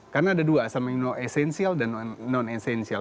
karena ada dua asam amino esensial dan non esensial